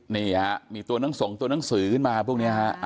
นี่ฮะมีตัวน้องส่งตัวหนังสือขึ้นมาพวกนี้ฮะ